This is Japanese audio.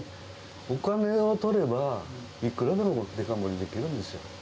お金を取れば、いくらでもデカ盛りできるんですよ。